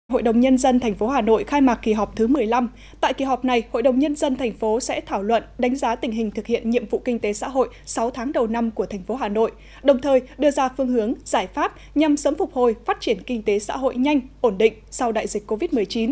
hội đồng nhân dân tp hà nội khai mạc kỳ họp thứ một mươi năm tại kỳ họp này hội đồng nhân dân thành phố sẽ thảo luận đánh giá tình hình thực hiện nhiệm vụ kinh tế xã hội sáu tháng đầu năm của thành phố hà nội đồng thời đưa ra phương hướng giải pháp nhằm sớm phục hồi phát triển kinh tế xã hội nhanh ổn định sau đại dịch covid một mươi chín